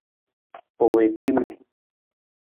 U wii timin.